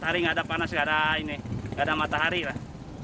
empat hari nggak ada panas nggak ada ini nggak ada matahari lah